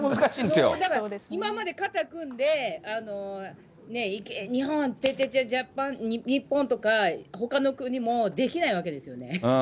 今まで肩組んで、いけ、日本ちゃちゃちゃ、日本とかほかの国もできないわけですよね。